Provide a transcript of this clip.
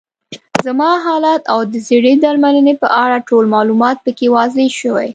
زما حالت او د زړې درملنې په اړه ټول معلومات پکې واضح شوي.